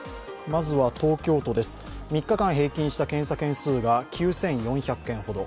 まずは東京都です、３日間平均した検査件数が９４００件ほど。